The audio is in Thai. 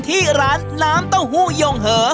ที่ร้านน้ำเต้าหู้ยงเหอ